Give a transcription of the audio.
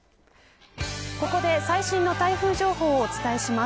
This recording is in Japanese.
ここで最新の台風情報をお伝えします。